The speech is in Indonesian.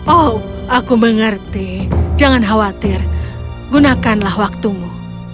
oh aku mengerti jangan khawatir gunakanlah waktumu